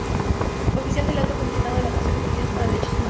Oficina del Alto Comisionado de las Naciones Unidas para los Derechos Humanos